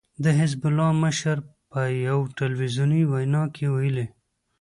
د حزب الله مشر په يوه ټلويزیوني وينا کې ويلي